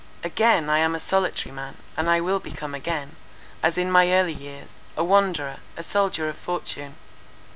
Again I am a solitary man; and I will become again, as in my early years, a wanderer, a soldier of fortune.